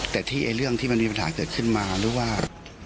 แต่ที่เรื่องที่มันมีปัญหาเกิดขึ้นมาหรือว่า